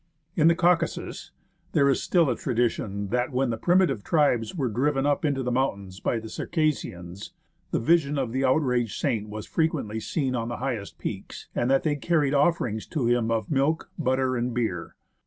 In the Caucasus there is still a tradition that when the primitive tribes were driven up into the mountains by the Circassians, the vision of the outraged saint was frequently seen on the highest peaks, and that they carried offerings to him of milk, butter, and beer.